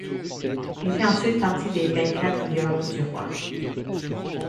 Il fait ensuite partie des Vingt-quatre Violons du Roy.